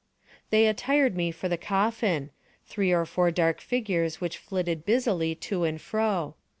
They attired me for the coffin—three or four dark figures which flitted busily to and fro.